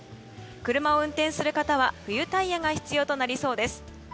車を運転する方は冬タイヤが必要となりそうです。